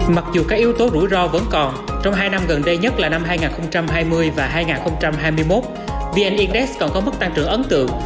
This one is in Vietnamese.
mặc dù các yếu tố rủi ro vẫn còn trong hai năm gần đây nhất là năm hai nghìn hai mươi và hai nghìn hai mươi một vn index còn có mức tăng trưởng ấn tượng